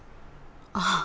ああ。